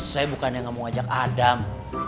saya bukannya gak mau ngajak adam